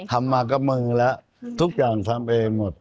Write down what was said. ทำมาก็มึงแล้วทุกอย่างทำเองหมด